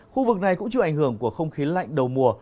khu vực này cũng chịu ảnh hưởng của không khí lạnh đầu mùa